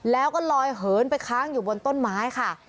แล้วก็ลอยเหินไปค้างอยู่บนต้นไม้ค่ะ